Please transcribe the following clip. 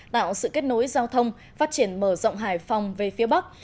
tạo sự kết nối giao thông phát triển mở rộng hải phòng về phía bắc